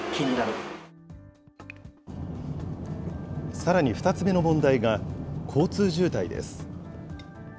さらに２つ目の問題が、交通渋滞です。